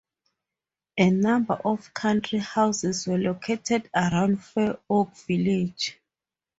A number of country houses were located around Fair Oak village.